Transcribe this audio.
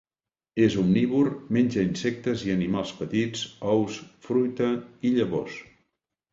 És omnívor, menja insectes i animals petits, ous, fruita i llavors.